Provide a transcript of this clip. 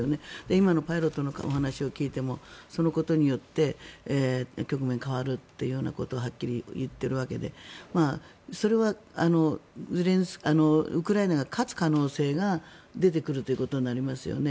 今のパイロットのお話を聞いてもそのことによって局面が変わるということをはっきり言っているわけでそれはウクライナが勝つ可能性が出てくるということになりますよね。